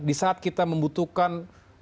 di saat kita membutuhkan